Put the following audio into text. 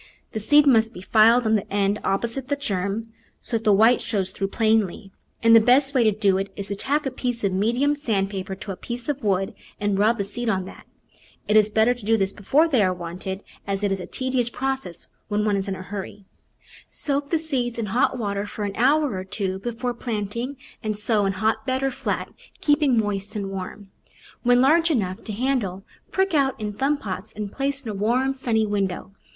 The seed must be filed on the end opposite the germ, so that the white shows through plainly, and the best way to do it is to tack a piece of medium sand paper to a piece of wood and rub the seed on that. It is better to do this before they are wanted, as it is a 141 Digitized by Google 142 The Flower Garden [Chapter tedious process when one is in a hurry. Soak the seeds in hot water for an hour or two before planting and sow in hotbed or flat, keeping moist and warm. When large enough to handle, prick out in thumb pots and place in a warm, sunny window.